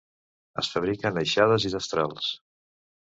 Es fabriquen aixades i destrals.